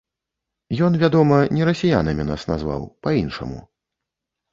Ён, вядома, не расіянамі нас назваў, па-іншаму.